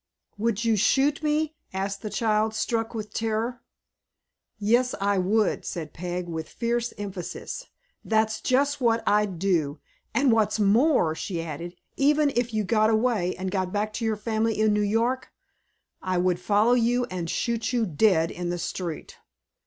"Would you shoot me?" asked the child, struck with terror. "Yes, I would," said Peg, with fierce emphasis. "That's just what I'd do. And what's more," she added, "even if you got away, and got back to your family in New York. I would follow you and shoot you dead in the street."